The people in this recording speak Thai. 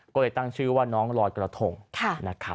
ก็เลยตั้งชื่อว่าน้องลอยกระทงนะครับ